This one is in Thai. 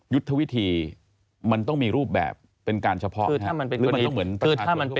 ยุทธวิธีมันต้องมีรูปแบบเป็นการเฉพาะนะครับ